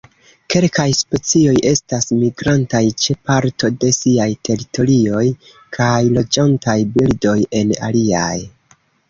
Kelkaj specioj estas migrantaj ĉe parto de siaj teritorioj kaj loĝantaj birdoj en aliaj.